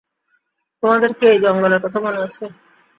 তোমাদের কি এই জঙ্গলের কথা মনে আছে?